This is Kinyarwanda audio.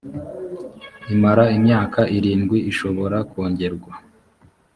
imara imyaka irindwi ishobora kongerwa